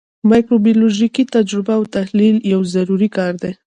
مایکروبیولوژیکي تجزیه او تحلیل یو ضروري کار دی.